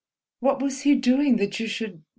What was he doing, that you should—?"